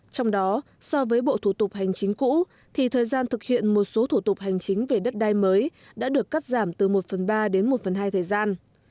trong đó so với bộ thủ tục hành chính cũ thì thời gian thực hiện một số thủ tục hành chính về đất đai mới đã được cắt giảm từ một phần ba đến một phần hai thời gian